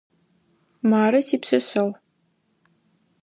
Мары сипшъэшъэгъу.